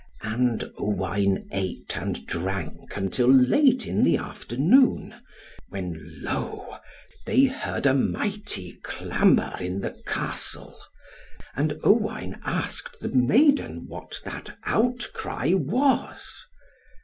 And Owain ate and drank, until late in the afternoon, when lo, they heard a mighty clamour in the Castle; and Owain asked the maiden what that outcry was.